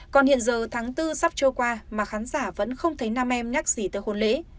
còn hiện giờ tháng bốn sắp trôi qua mà khán giả vẫn không thấy nam em nhắc gì tới hôn lễ